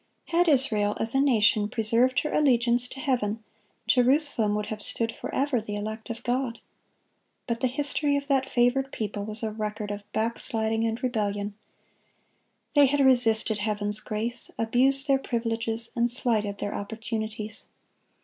Had Israel as a nation preserved her allegiance to Heaven, Jerusalem would have stood forever, the elect of God.(9) But the history of that favored people was a record of backsliding and rebellion. They had resisted Heaven's grace, abused their privileges, and slighted their opportunities.